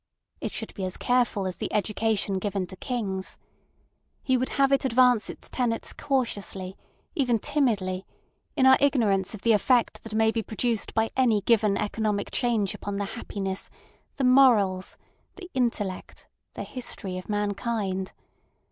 It should be as careful as the education given to kings. He would have it advance its tenets cautiously, even timidly, in our ignorance of the effect that may be produced by any given economic change upon the happiness, the morals, the intellect, the history of mankind.